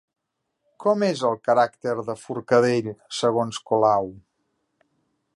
Com és el caràcter de Forcadell segons Colau?